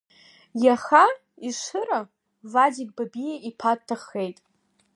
Иаха, Ешыра, Вадик Бабиа иԥа дҭахеит…